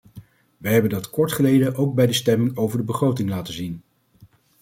Wij hebben dat kort geleden ook bij de stemming over de begroting laten zien.